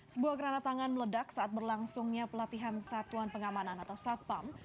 sebuah gerana tangan meledak saat berlangsungnya pelatihan satuan pengamanan atau satpam